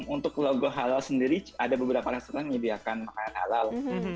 untuk logo halal sendiri ada beberapa restoran yang menyediakan makanan halal